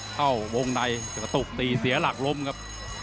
เข้าวงในกระตุกตีเสียหลักล้มครับ